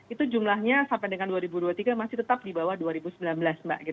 itu jumlahnya sampai dengan dua ribu dua puluh tiga masih tetap di bawah dua ribu sembilan belas mbak